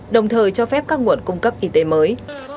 đồng thời cho phép các nguồn cung cấp y tế mới